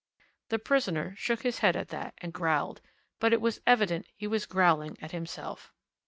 The prisoner shook his head at that, and growled but it was evident he was growling at himself.